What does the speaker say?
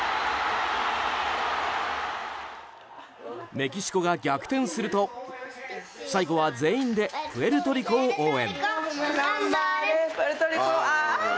メキシコが逆転すると最後は全員でプエルトリコを応援。